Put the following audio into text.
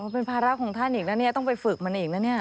เป็นภาระของท่านอีกแล้วต้องไปฝึกมันอีกแล้ว